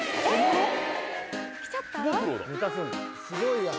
すごい。